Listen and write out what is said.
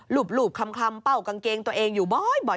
รูปคลำเป้ากางเกงตัวเองอยู่บ่อย